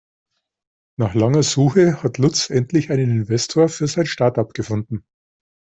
Nach langer Suche hat Lutz endlich einen Investor für sein Startup gefunden.